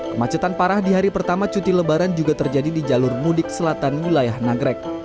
kemacetan parah di hari pertama cuti lebaran juga terjadi di jalur mudik selatan wilayah nagrek